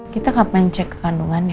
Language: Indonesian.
kita gak pengen cek kendungan ya